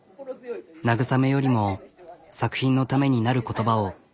慰めよりも作品のためになる言葉を。